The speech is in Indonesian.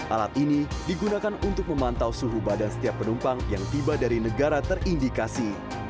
alat ini digunakan untuk memantau suhu badan setiap penumpang yang tiba dari negara terindikasi